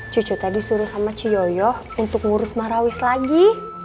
cucu tadi suruh sama ci yoyo untuk ngurus mah rawis lagi